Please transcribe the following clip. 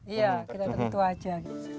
iya kita tertentu saja